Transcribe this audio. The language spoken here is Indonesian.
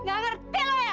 nggak ngerti lo ya